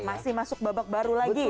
masih masuk babak baru lagi